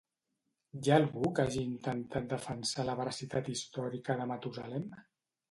Hi ha algú que hagi intentat defensar la veracitat històrica de Matusalem?